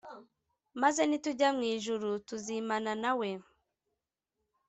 Maze, ni tujya mw ijuru, Tuzimana nawe